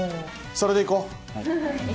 それでいこう！